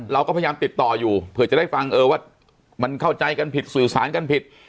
เราก็พยายามติดต่ออยู่เผื่อจะได้ฟังเออว่ามันเข้าใจกันผิดสื่อสารกันผิด